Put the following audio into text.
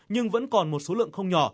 nhưng vẫn còn một số lượng không nhỏ